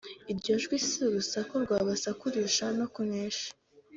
Iryo jwi si urusaku rw’abasakurishwa no kunesha